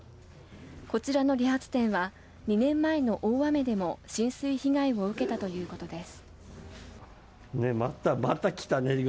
こちらの理髪店は２年前の大雨でも浸水被害を受けたということです。